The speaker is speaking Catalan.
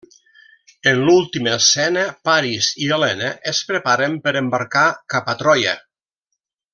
En l'última escena Paris i Elena es preparen per embarcar cap a Troia.